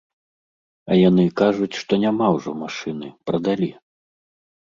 А яны кажуць, што няма ўжо машыны, прадалі.